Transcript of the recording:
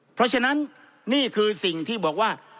เพราะฉะนั้นนี่คือสิ่งที่บอกว่า